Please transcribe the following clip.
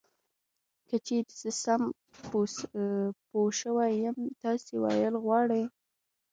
که چېرې زه سم پوه شوی یم تاسې ویل غواړی .